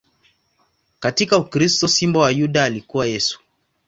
Katika ukristo, Simba wa Yuda alikuwa Yesu.